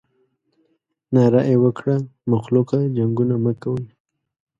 ناره یې وکړه مخلوقه جنګونه مه کوئ.